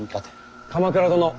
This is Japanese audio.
鎌倉殿